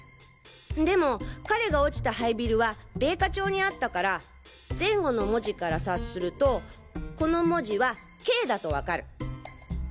でも彼が落ちた廃ビルは米花町にあったから前後の文字から察するとこの文字は「Ｋ」だとわかる！